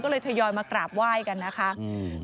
ก็เลยทยอยมากราบไหว้กันนะคะอืม